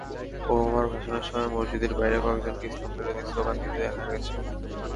ওবামার ভাষণের সময় মসজিদের বাইরে কয়েকজনকে ইসলামবিরোধী স্লোগান দিতে দেখা গেছে।